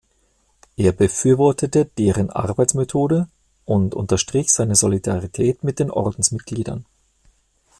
Er befürwortete deren Arbeitsmethode und unterstrich seine Solidarität mit den Ordensmitgliedern.